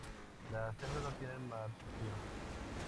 Las hembras no tienen marsupio.